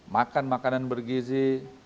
makan makanan bergizi